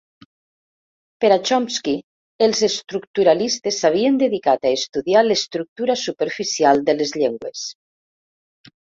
Per a Chomsky, els estructuralistes s’havien dedicat a estudiar l’estructura superficial de les llengües.